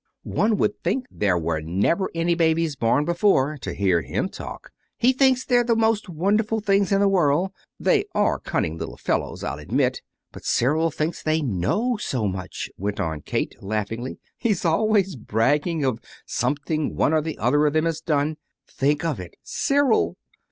One would think there were never any babies born before, to hear him talk. He thinks they're the most wonderful things in the world and they are cunning little fellows, I'll admit. But Cyril thinks they know so much," went on Kate, laughingly. "He's always bragging of something one or the other of them has done. Think of it _Cyril!